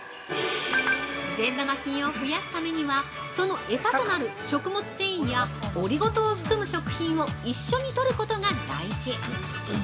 善玉菌を増やすためには、その餌となる食物繊維やオリゴ糖を含む食品を一緒にとることが大事。